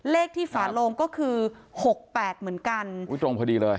เลขที่ฝาโลงก็คือหกแปดเหมือนกันอุ้ยตรงพอดีเลย